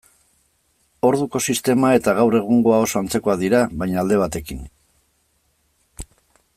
Orduko sistema eta gaur egungoa oso antzekoak dira, baina alde batekin.